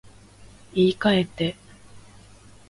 言い換えて